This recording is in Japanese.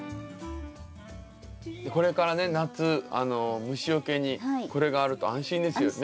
これからね夏虫よけにこれがあると安心ですよね。